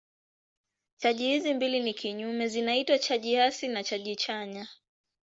Chaji hizi mbili ni kinyume zinaitwa chaji hasi na chaji chanya.